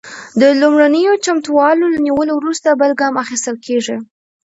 د لومړنیو چمتووالو له نیولو وروسته بل ګام اخیستل کیږي.